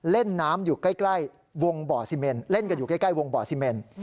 เล่นน้ำอยู่ใกล้วงบ่อซีเมนเล่นกันอยู่ใกล้วงบ่อซีเมน